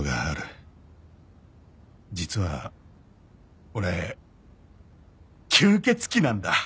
「実は俺吸血鬼なんだ！」